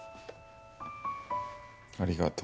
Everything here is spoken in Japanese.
ありがと。